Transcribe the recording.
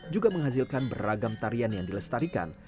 juga menghasilkan beragam tarian yang dilestarikan